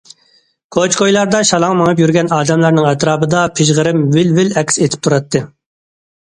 كوچا- كويلاردا شالاڭ مېڭىپ يۈرگەن ئادەملەرنىڭ ئەتراپىدا پىژغىرىم ۋىل- ۋىل ئەكس ئېتىپ تۇراتتى.